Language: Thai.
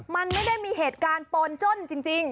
มันไม่ได้มีเหตุการณ์โปนจ้นจริง